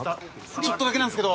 ちょっとだけなんすけど。